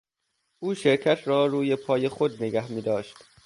او شرکت را روی پای خود نگه داشت.